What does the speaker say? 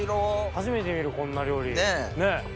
初めて見るこんな料理。ねぇ！